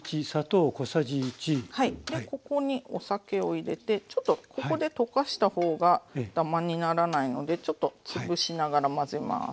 ここにお酒を入れてちょっとここで溶かした方がダマにならないのでちょっとつぶしながら混ぜます。